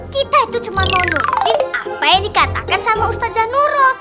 kita itu cuma mau nunutin apa yang dikatakan sama ustazah nuro